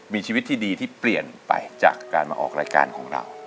มีชีวิตที่ดีที่เปลี่ยนไปจากการมาออกรายการของเรา